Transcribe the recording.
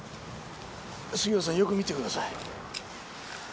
杉浦さんよく見てください。